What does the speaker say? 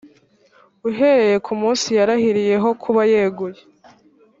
uhereye ku munsi yarahiriyeho kuba yeguye